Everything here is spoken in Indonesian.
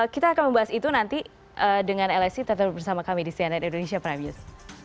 kita akan membahas itu nanti dengan lsi tetap bersama kami di cnn indonesia prime news